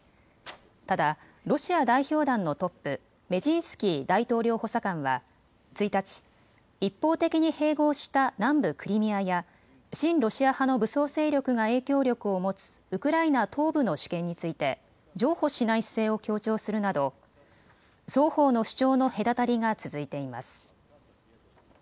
ただ、ロシア代表団のトップ、メジンスキー大統領補佐官は１日、一方的に併合した南部クリミアや親ロシア派の武装勢力が影響力を持つウクライナ東部の主権について譲歩しない姿勢を強調するなど双方の主張の隔たりが続いています。